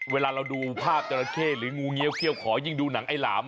เวลาเราดูภาพจราเข้หรืองูเงี้ยเขี้ยวขอยิ่งดูหนังไอ้หลาม